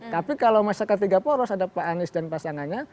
tapi kalau masyarakat tiga poros ada pak anies dan pasangannya